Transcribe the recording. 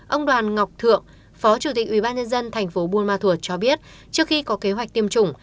ông đoàn ngọc thượng phó chủ tịch ubnd tp buôn ma thuột cho biết trước khi có kế hoạch tiêm chủng